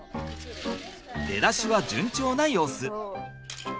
出だしは順調な様子。